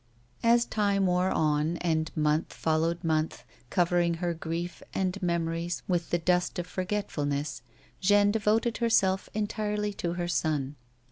As time wore on and month followed month, covering her grief and memories with the dust of forgetfulness, Jeanne 190 A WOMAN'S LIFE. devoted herself entirely to her son.